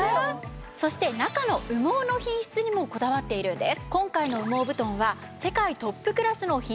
そして中の羽毛の品質にもこだわっているんです。